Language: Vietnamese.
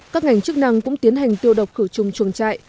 các ngành chức năng cũng tiến hành tiêu độc khử trùng chuồng trại